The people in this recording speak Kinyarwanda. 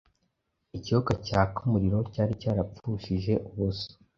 Ikiyoka cyaka umuriro cyari cyarapfushije ubusa